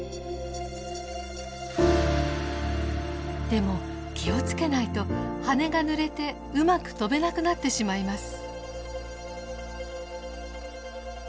でも気をつけないと羽がぬれてうまく飛べなくなってしまいます。